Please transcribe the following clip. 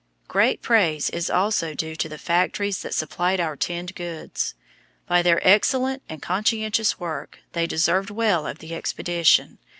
Great praise is also due to the factories that supplied our tinned goods. By their excellent and conscientious work they deserved well of the expedition.